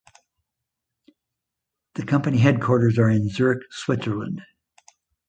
The company headquarters are in Zurich Switzerland.